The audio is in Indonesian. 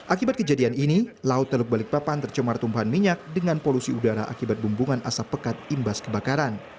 akibat kejadian ini laut teluk balikpapan tercemar tumpahan minyak dengan polusi udara akibat bumbungan asap pekat imbas kebakaran